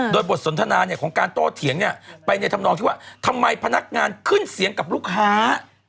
โดยบทสนทนาของการโต้เถียงไปในธรรมนองที่ว่าทำไมพนักงานขึ้นเสียงกับลูกค้า